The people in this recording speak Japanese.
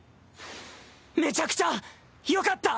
めちゃくちゃよかった！